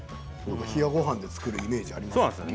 冷やごはんで作るイメージあります。